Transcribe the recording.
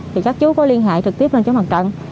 thì các chú có liên hệ trực tiếp lên chỗ bằng trận